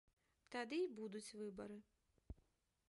Тады і будуць выбары.